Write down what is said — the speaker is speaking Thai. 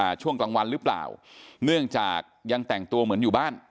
ช่วงกลางวันหรือเปล่าเนื่องจากยังแต่งตัวเหมือนอยู่บ้าน